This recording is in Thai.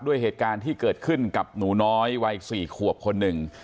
เหตุการณ์ที่เกิดขึ้นกับหนูน้อยวัย๔ขวบคนหนึ่ง